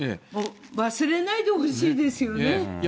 忘れないでほしいですよね。